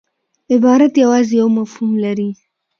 عبارت یوازي یو مفهوم لري.